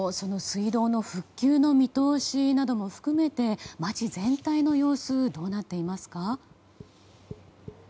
水道の復旧の見通しなども含めて町全体の様子どうなっていますか。